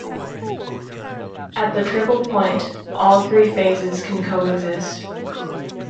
At the triple point, all three phases can coexist.